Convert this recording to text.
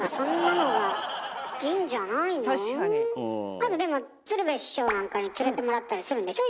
あなたでも鶴瓶師匠なんかに連れてもらったりするんでしょ？